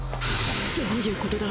どういうことだ？